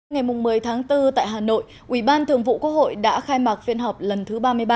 ngày một mươi tháng bốn tại hà nội ủy ban thường vụ quốc hội đã khai mạc phiên họp lần thứ ba mươi ba